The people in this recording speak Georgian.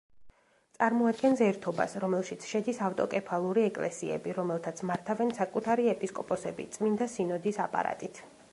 წარმოადგენს ერთობას, რომელშიც შედის ავტოკეფალური ეკლესიები, რომელთაც მართავენ საკუთარი ეპისკოპოსები წმინდა სინოდის აპარატით.